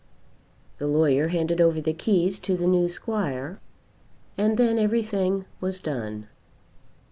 The lawyer handed over the keys to the new squire, and then everything was done.